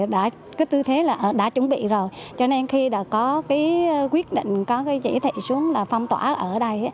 đã cái tư thế là đã chuẩn bị rồi cho nên khi đã có cái quyết định có cái chỉ thị xuống là phong tỏa ở đây